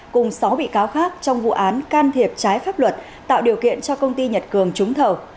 cùng sáu bị cáo khác trong vụ án can thiệp trái pháp luật tạo điều kiện cho công ty nhật cường trúng thầu